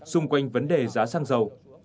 xung quanh vấn đề giá xăng dầu